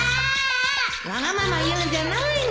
わがまま言うんじゃないの！